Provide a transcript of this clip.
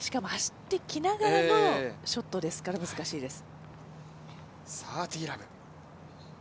しかも走っていきながらのショットですから難しいです。